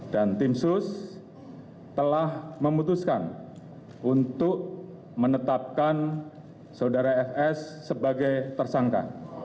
dan tim sus telah memutuskan untuk menetapkan saudara fs sebagai tersangka